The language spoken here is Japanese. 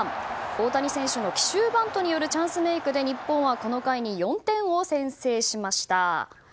大谷選手の奇襲バントによるチャンスメイクで日本はこの回に４点を先制しました。